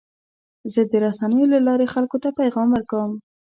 زه د رسنیو له لارې خلکو ته پیغام ورکوم.